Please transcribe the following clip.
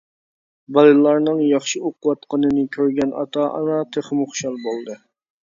بالىلارنىڭ ياخشى ئوقۇۋاتقىنىنى كۆرگەن ئاتا-ئانا تېخىمۇ خۇشال بولدى.